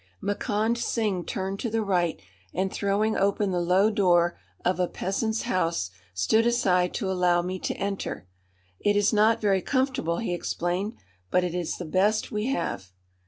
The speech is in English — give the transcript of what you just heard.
Makand Singh turned to the right, and, throwing open the low door of a peasant's house, stood aside to allow me to enter. "It is not very comfortable," he explained, "but it is the best we have."